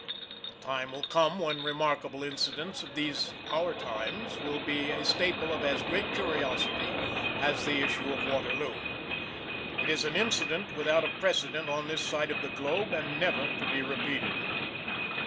The time will come when remarkable incidents of these our times will be a staple of as great curiosity as the issue of Waterloo. It is an incident without a precedent on this side of the globe, and never to be repeated.